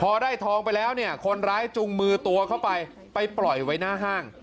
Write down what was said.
พอได้ทองไปแล้วเนี่ยคนร้ายจุงมือตัวเข้าไปไปปล่อยไว้หน้าห้าง